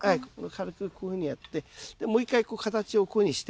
軽くこういうふうにやってでもう一回形をこういうふうにして。